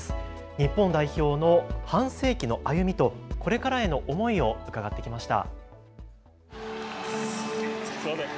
日本代表の半世紀の歩みとこれからへの思いを伺ってきました。